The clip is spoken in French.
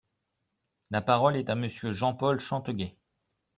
La parole est à Monsieur Jean-Paul Chanteguet.